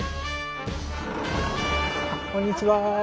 こんにちは。